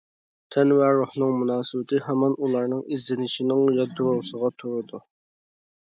تەن ۋە روھنىڭ مۇناسىۋىتى ھامان ئۇلارنىڭ ئىزدىنىشىنىڭ يادروسىدا تۇرىدۇ.